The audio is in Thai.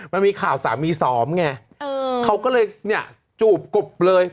มันมีข่าวสามีสอองแงเขาก็เลยจูบกบเลย